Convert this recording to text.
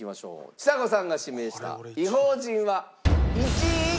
ちさ子さんが指名した『異邦人』は１位。